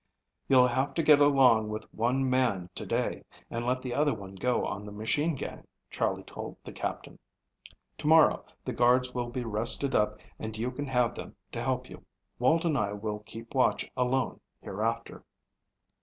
"You'll have to get along with one man to day, and let the other one go on the machine gang," Charley told the Captain. "To morrow the guards will be rested up and you can have them to help you. Walt and I will keep watch alone hereafter."